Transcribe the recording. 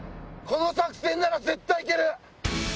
この作戦なら絶対いける！